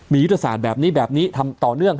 มียุทธศาสตร์แบบนี้แบบนี้ทำต่อเนื่อง